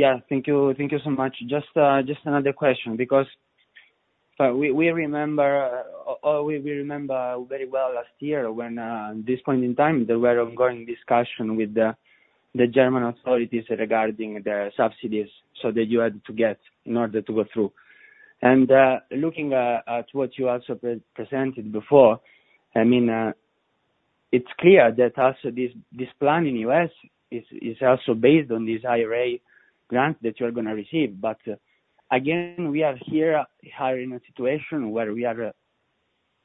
[SPEAKER 4] you. Yeah. Thank you so much. Just another question because we remember very well last year when at this point in time, there were ongoing discussions with the German authorities regarding the subsidies that you had to get in order to go through. And looking at what you also presented before, I mean, it's clear that also this plan in the U.S. is also based on this IRA grant that you are going to receive. But again, we are here in a situation where we are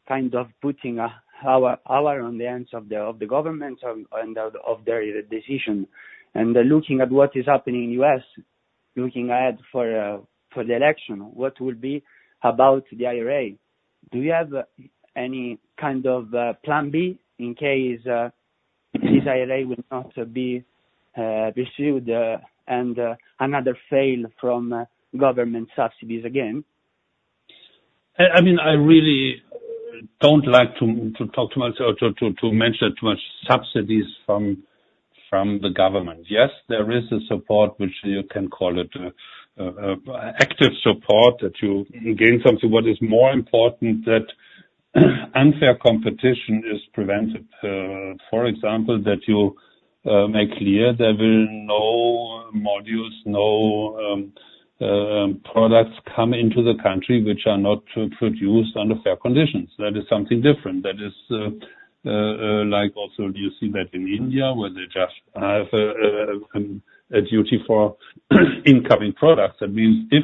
[SPEAKER 4] kind of putting all our hopes in the hands of the government and of their decision. And looking at what is happening in the U.S., looking ahead for the election, what will become of the IRA? Do you have any kind of plan B in case this IRA will not be pursued and another failure from government subsidies again?
[SPEAKER 2] I mean, I really don't like to mention too much subsidies from the government. Yes, there is a support, which you can call it active support, that you gain something. What is more important is that unfair competition is prevented. For example, that you make clear there will be no modules, no products coming into the country which are not produced under fair conditions. That is something different. That is like also you see that in India, where they just have a duty for incoming products. That means if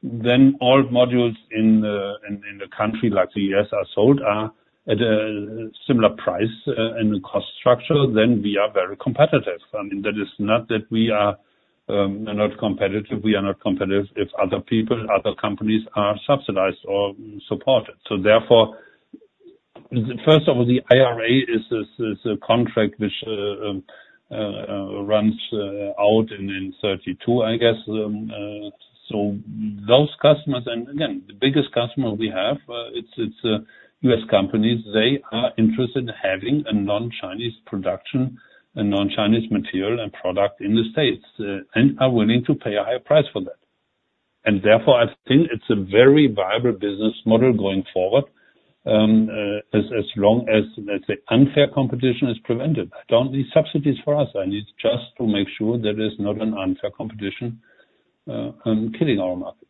[SPEAKER 2] then all modules in the country like the U.S. are sold at a similar price and a cost structure, then we are very competitive. I mean, that is not that we are not competitive. We are not competitive if other people, other companies are subsidized or supported. So therefore, first of all, the IRA is a contract which runs out in 2032, I guess. So those customers, and again, the biggest customer we have, it's U.S. companies. They are interested in having a non-Chinese production, a non-Chinese material and product in the States, and are willing to pay a higher price for that. And therefore, I think it's a very viable business model going forward as long as, let's say, unfair competition is prevented. I don't need subsidies for us. I need just to make sure that there's not an unfair competition killing our market.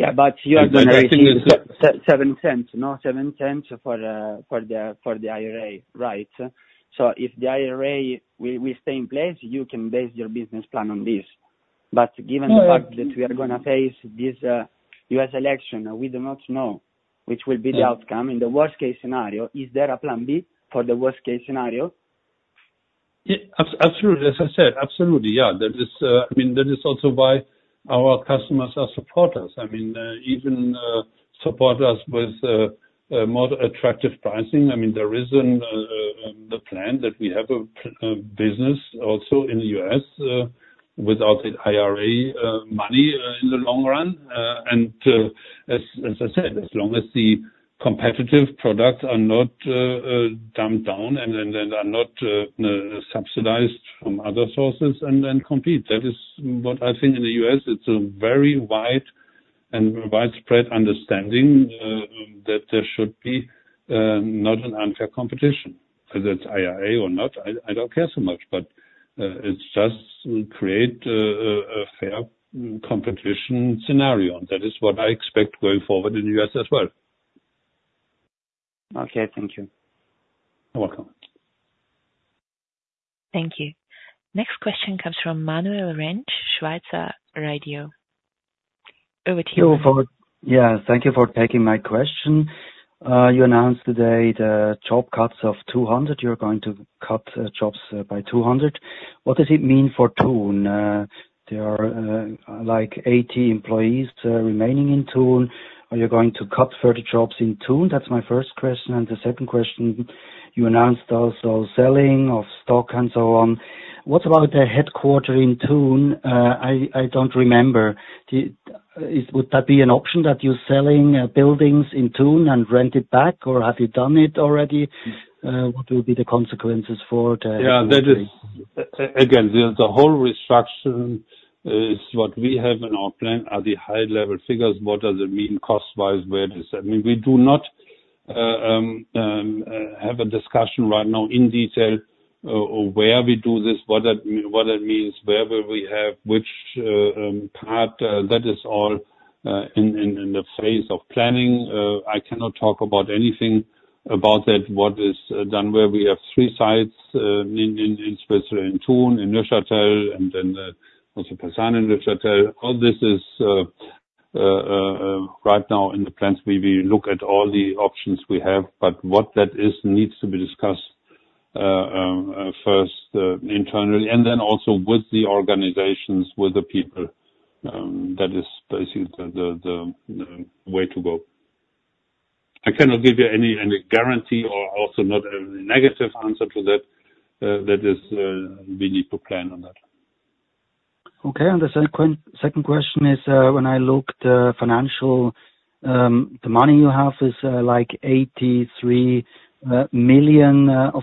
[SPEAKER 4] Yeah. But you are going to receive 0.07, no 0.07 for the IRA, right? So if the IRA will stay in place, you can base your business plan on this. But given the fact that we are going to face this U.S. election, we do not know which will be the outcome. In the worst-case scenario, is there a plan B for the worst-case scenario?
[SPEAKER 2] Yeah. Absolutely. As I said, absolutely. Yeah. I mean, that is also why our customers are supporters. I mean, even supporters with more attractive pricing. I mean, there isn't a plan that we have a business also in the U.S. without the IRA money in the long run. And as I said, as long as the competitive products are not dumbed down and are not subsidized from other sources and then compete. That is what I think in the U.S. It's a very wide and widespread understanding that there should be not an unfair competition. Whether it's IRA or not, I don't care so much. But it's just to create a fair competition scenario. And that is what I expect going forward in the U.S. as well.
[SPEAKER 4] Okay. Thank you.
[SPEAKER 2] You're welcome.
[SPEAKER 1] Thank you. Next question comes from Manuel Rentsch, Schweizer Radio. Over to you.
[SPEAKER 6] Yeah. Thank you for taking my question. You announced today the job cuts of 200. You're going to cut jobs by 200. What does it mean for Thun? There are like 80 employees remaining in Thun. Are you going to cut further jobs in Thun? That's my first question. And the second question, you announced also selling of stock and so on. What about the headquarters in Thun? I don't remember. Would that be an option that you're selling buildings in Thun and rent it back, or have you done it already? What will be the consequences for the?
[SPEAKER 2] Yeah. Again, the whole restructuring is what we have in our plan are the high-level figures. What does it mean cost-wise? I mean, we do not have a discussion right now in detail where we do this, what that means, where will we have, which part. That is all in the phase of planning. I cannot talk about anything about that, what is done where we have three sites, in Switzerland, in Thun, in Neuchâtel, and then also Pasan, Neuchâtel. All this is right now in the plans. We look at all the options we have. But what that is needs to be discussed first internally and then also with the organizations, with the people. That is basically the way to go. I cannot give you any guarantee or also not a negative answer to that. That is we need to plan on that.
[SPEAKER 6] Okay. And the second question is, when I looked at financial, the money you have is like 83 million at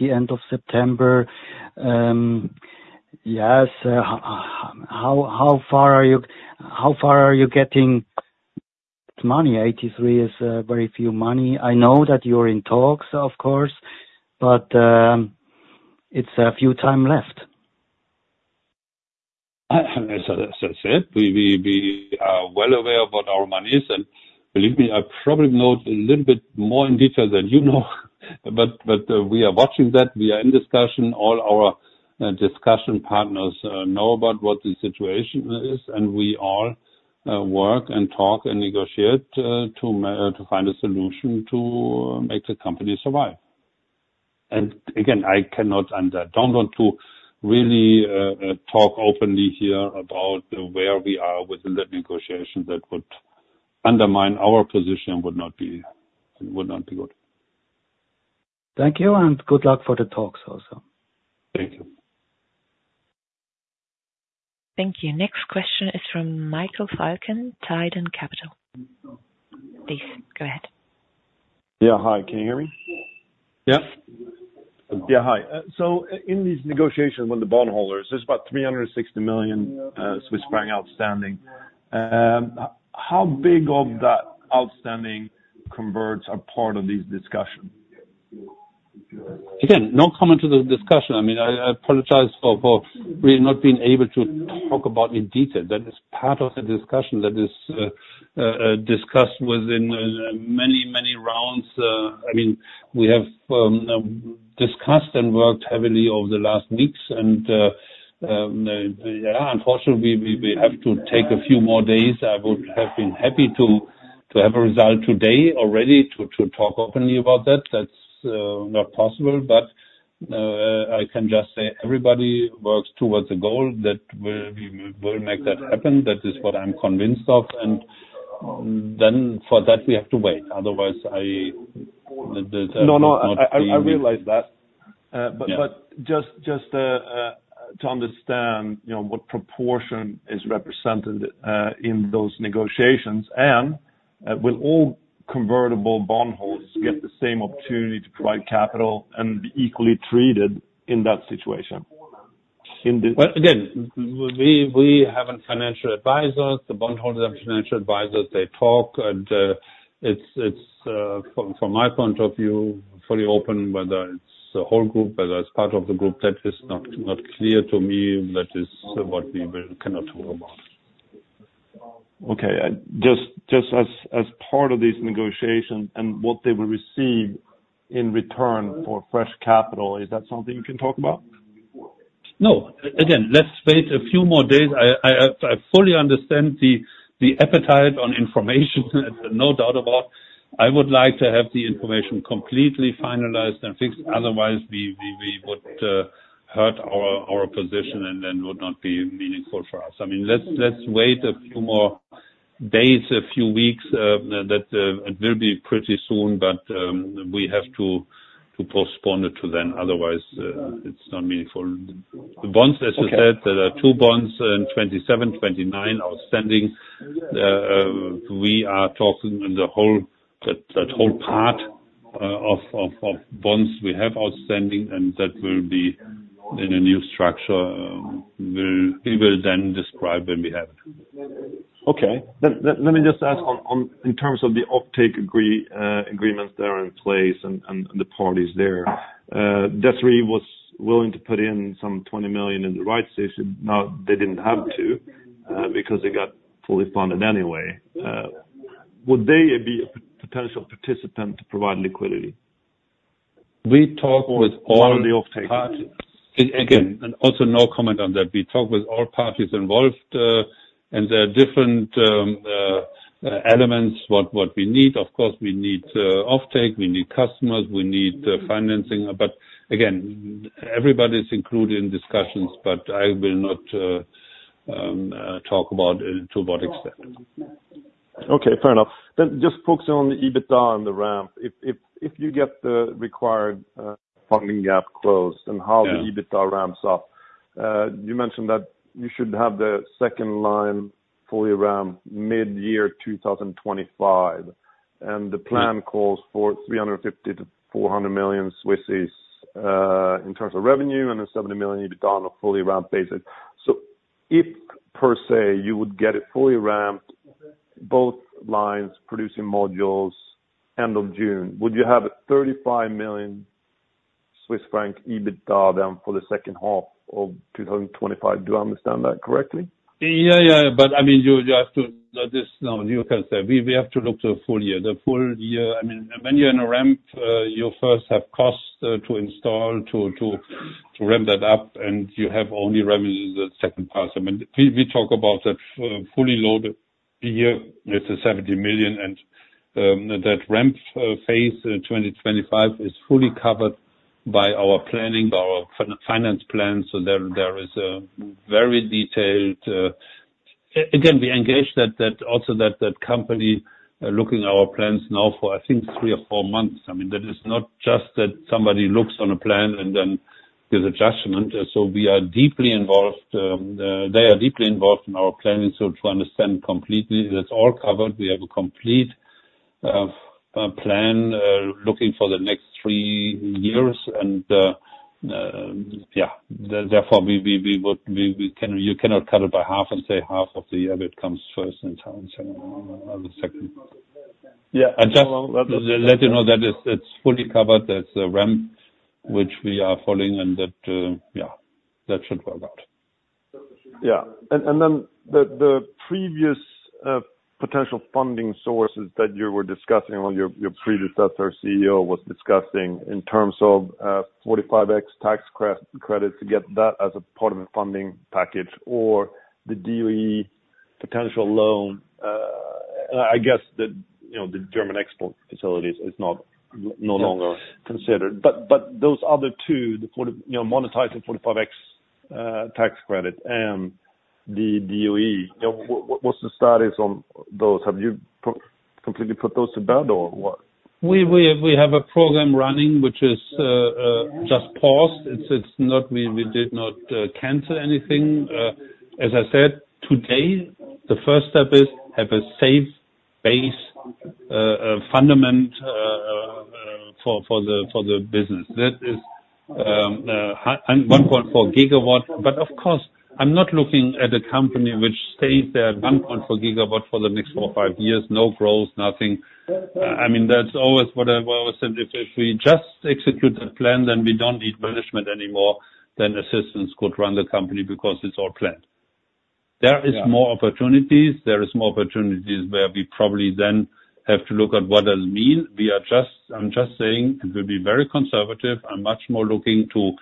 [SPEAKER 6] the end of September. Yes. How far are you getting the money? 83 million is very few money. I know that you're in talks, of course, but it's a few time left.
[SPEAKER 2] As I said, we are well aware of what our money is. And believe me, I probably know a little bit more in detail than you know. But we are watching that. We are in discussion. All our discussion partners know about what the situation is. And we all work and talk and negotiate to find a solution to make the company survive. And again, I cannot and I don't want to really talk openly here about where we are within that negotiation that would undermine our position and would not be good.
[SPEAKER 6] Thank you and good luck for the talks also.
[SPEAKER 2] Thank you.
[SPEAKER 1] Thank you. Next question is from Michael Falken, Tidan Capital. Please go ahead.
[SPEAKER 7] Yeah. Hi. Can you hear me?
[SPEAKER 2] Yes.
[SPEAKER 7] Yeah. Hi. So in these negotiations with the bondholders, there's about 360 million Swiss franc outstanding. How big of that outstanding converts are part of these discussions?
[SPEAKER 2] Again, no comment to the discussion. I mean, I apologize for really not being able to talk about in detail. That is part of the discussion that is discussed within many, many rounds. I mean, we have discussed and worked heavily over the last weeks. And yeah, unfortunately, we have to take a few more days. I would have been happy to have a result today already to talk openly about that. That's not possible. But I can just say everybody works towards a goal that will make that happen. That is what I'm convinced of. And then for that, we have to wait. Otherwise, I don't understand.
[SPEAKER 7] No, no. I realize that. But just to understand what proportion is represented in those negotiations, and will all convertible bondholders get the same opportunity to provide capital and be equally treated in that situation?
[SPEAKER 2] Again, we have financial advisors. The bondholders have financial advisors. They talk. And from my point of view, fully open whether it's a whole group, whether it's part of the group, that is not clear to me. That is what we cannot talk about.
[SPEAKER 7] Okay. Just as part of these negotiations and what they will receive in return for fresh capital, is that something you can talk about?
[SPEAKER 2] No. Again, let's wait a few more days. I fully understand the appetite on information. No doubt about it. I would like to have the information completely finalized and fixed. Otherwise, we would hurt our position and then would not be meaningful for us. I mean, let's wait a few more days, a few weeks. It will be pretty soon, but we have to postpone it to then. Otherwise, it's not meaningful. The bonds, as I said, there are two bonds in 2027, 2029 outstanding. We are talking the whole part of bonds we have outstanding, and that will be in a new structure. We will then describe when we have it.
[SPEAKER 7] Okay. Let me just ask in terms of the offtake agreements that are in place and the parties there. DESRI was willing to put in some 20 million in the rights issue. Now, they didn't have to because they got fully funded anyway. Would they be a potential participant to provide liquidity?
[SPEAKER 2] We talked with all.
[SPEAKER 7] What are the uptake?
[SPEAKER 2] Again, also no comment on that. We talked with all parties involved, and there are different elements what we need. Of course, we need uptake. We need customers. We need financing. But again, everybody's included in discussions, but I will not talk about to what extent.
[SPEAKER 7] Okay. Fair enough, then just focusing on the EBITDA and the ramp. If you get the required funding gap closed and how the EBITDA ramps up, you mentioned that you should have the second line fully ramped mid-year 2025, and the plan calls for 350 million-400 million in terms of revenue and a 70 million EBITDA on a fully ramped basis. So if, per se, you would get it fully ramped, both lines producing modules end of June, would you have 35 million Swiss franc EBITDA then for the second half of 2025? Do I understand that correctly?
[SPEAKER 2] Yeah, yeah. But I mean, you have to. This is not your concern. We have to look to the full year. The full year, I mean, when you're in a ramp, you first have cost to install to ramp that up, and you have only revenue the second part. I mean, we talk about that fully loaded year. It's 70 million. And that ramp phase 2025 is fully covered by our planning, our finance plan. So there is a very detailed. Again, we engage also that company looking at our plans now for, I think, three or four months. I mean, that is not just that somebody looks on a plan and then gives adjustment. So we are deeply involved. They are deeply involved in our planning. So to understand completely, that's all covered. We have a complete plan looking for the next three years. Therefore, you cannot cut it by half and say half of the year that comes first and second.
[SPEAKER 7] Yeah. That's okay.
[SPEAKER 2] Let you know that it's fully covered. That's the ramp which we are following. And yeah, that should work out.
[SPEAKER 7] Yeah. And then the previous potential funding sources that you were discussing when your previous CEO was discussing in terms of 45X tax credit to get that as a part of the funding package or the DOE potential loan, I guess the German export facilities is no longer considered. But those other two, the monetizing 45X tax credit and the DOE, what's the status on those? Have you completely put those to bed or what?
[SPEAKER 2] We have a program running which has just paused. We did not cancel anything. As I said, today, the first step is to have a safe base fundament for the business. That is 1.4 GW. But of course, I'm not looking at a company which stays there at 1.4 GW for the next four or five years, no growth, nothing. I mean, that's always what I've always said. If we just execute the plan, then we don't need management anymore. Then assistance could run the company because it's all planned. There are more opportunities. There are more opportunities where we probably then have to look at what does it mean. I'm just saying it will be very conservative. I'm much more looking to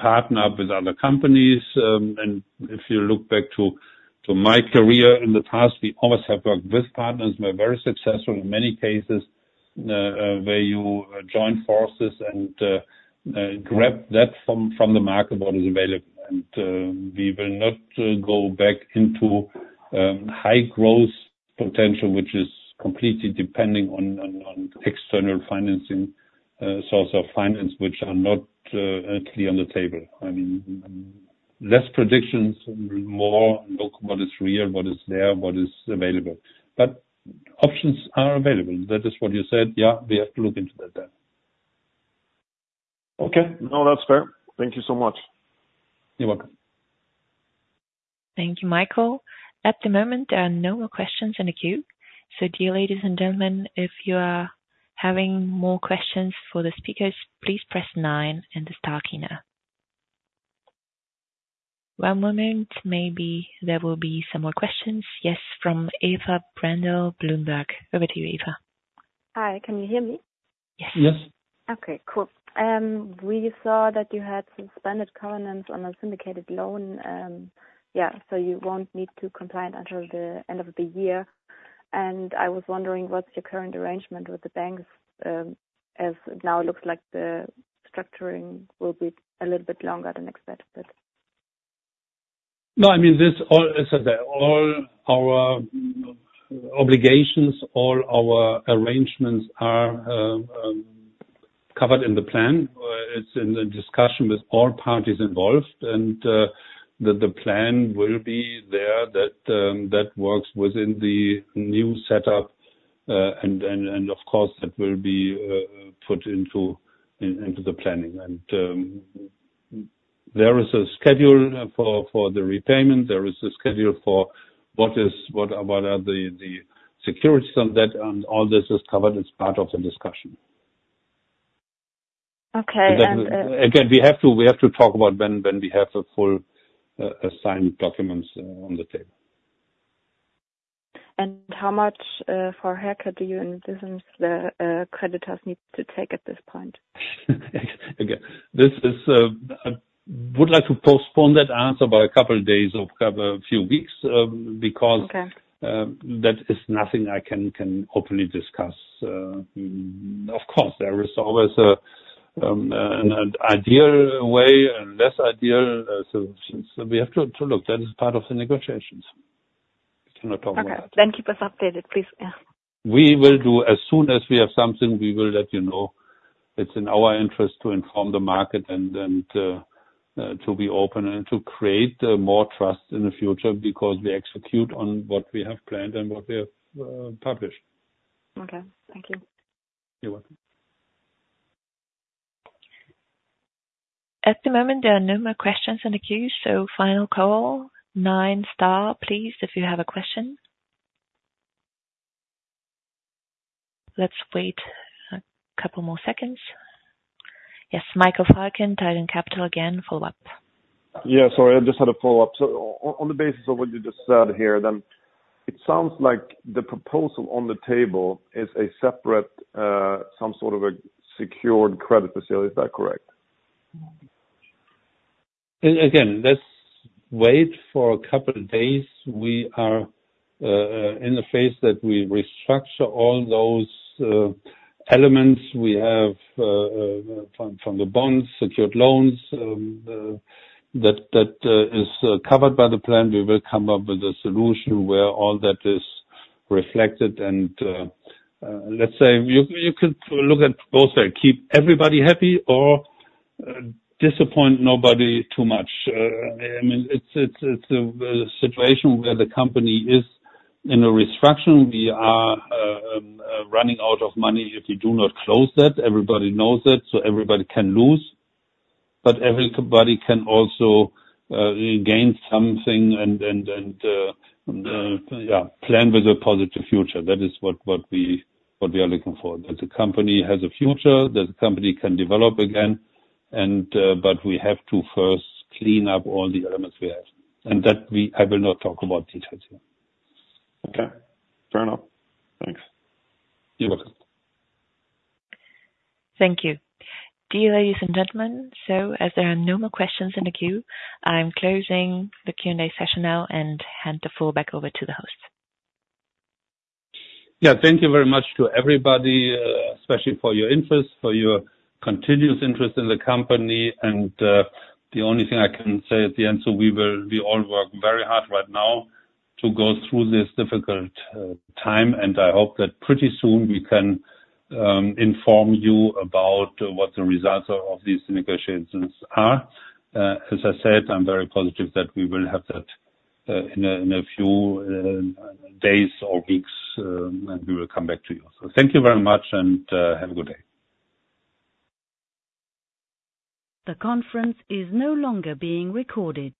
[SPEAKER 2] partner up with other companies. And if you look back to my career in the past, we always have worked with partners. We're very successful in many cases where you join forces and grab that from the market, what is available, and we will not go back into high growth potential, which is completely depending on external financing sources of finance, which are not clearly on the table. I mean, less predictions, more look what is real, what is there, what is available, but options are available. That is what you said. Yeah, we have to look into that then.
[SPEAKER 7] Okay. No, that's fair. Thank you so much.
[SPEAKER 2] You're welcome.
[SPEAKER 1] Thank you, Michael. At the moment, there are no more questions in the queue. So dear ladies and gentlemen, if you are having more questions for the speakers, please press nine and the star key now. One moment. Maybe there will be some more questions. Yes, from Eva Brandl, Bloomberg. Over to you, Eva.
[SPEAKER 8] Hi. Can you hear me?
[SPEAKER 2] Yes.
[SPEAKER 8] Yes. Okay. Cool. We saw that you had suspended covenants on a syndicated loan. Yeah. So you won't need to comply until the end of the year. And I was wondering, what's your current arrangement with the banks as it now looks like the structuring will be a little bit longer than expected?
[SPEAKER 2] No, I mean, as I said, all our obligations, all our arrangements are covered in the plan. It's in the discussion with all parties involved. And the plan will be there that works within the new setup. And of course, that will be put into the planning. And there is a schedule for the repayment. There is a schedule for what are the securities on that. And all this is covered as part of the discussion.
[SPEAKER 8] Okay.
[SPEAKER 2] Again, we have to talk about when we have the full signed documents on the table.
[SPEAKER 8] How much of a haircut do you envision the creditors need to take at this point?
[SPEAKER 2] Again, I would like to postpone that answer by a couple of days or a few weeks because that is nothing I can openly discuss. Of course, there is always an ideal way and less ideal. So we have to look. That is part of the negotiations. We cannot talk about that.
[SPEAKER 8] Okay. Then keep us updated, please.
[SPEAKER 2] We will do. As soon as we have something, we will let you know. It's in our interest to inform the market and to be open and to create more trust in the future because we execute on what we have planned and what we have published.
[SPEAKER 8] Okay. Thank you.
[SPEAKER 2] You're welcome.
[SPEAKER 1] At the moment, there are no more questions in the queue. So final call, nine star, please, if you have a question. Let's wait a couple more seconds. Yes, Michael Falken, Tidan Capital again, follow up.
[SPEAKER 7] Yeah. Sorry, I just had a follow-up. So on the basis of what you just said here, then it sounds like the proposal on the table is a separate some sort of a secured credit facility. Is that correct?
[SPEAKER 2] Again, let's wait for a couple of days. We are in the phase that we restructure all those elements we have from the bonds, secured loans that is covered by the plan. We will come up with a solution where all that is reflected. And let's say you could look at both ways. Keep everybody happy or disappoint nobody too much. I mean, it's a situation where the company is in a restructuring. We are running out of money if you do not close that. Everybody knows that. So everybody can lose. But everybody can also gain something and plan with a positive future. That is what we are looking for. That the company has a future, that the company can develop again. But we have to first clean up all the elements we have. And I will not talk about details here.
[SPEAKER 7] Okay. Fair enough. Thanks.
[SPEAKER 2] You're welcome.
[SPEAKER 1] Thank you. Dear ladies and gentlemen, so as there are no more questions in the queue, I'm closing the Q&A session now and hand the floor back over to the host.
[SPEAKER 2] Yeah. Thank you very much to everybody, especially for your interest, for your continuous interest in the company. And the only thing I can say at the end, so we all work very hard right now to go through this difficult time. And I hope that pretty soon we can inform you about what the results of these negotiations are. As I said, I'm very positive that we will have that in a few days or weeks, and we will come back to you. So thank you very much and have a good day.
[SPEAKER 1] The conference is no longer being recorded.